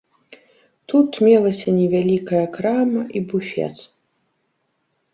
Тут мелася невялікая крама і буфет.